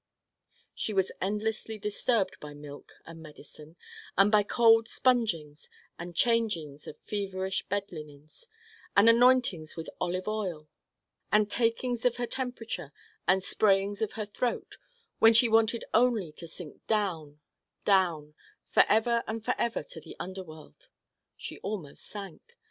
She was endlessly disturbed by milk and medicine, and by cold spongings and changings of feverish bed linens, and anointings with olive oil, and takings of her temperature, and sprayings of her throat: when she wanted only to sink down, down, forever and forever to the underworld. She almost sank.